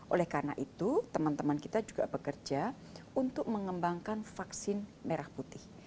oleh karena itu teman teman kita juga bekerja untuk mengembangkan vaksin merah putih